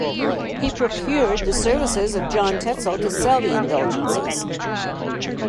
He procured the services of John Tetzel to sell the indulgences.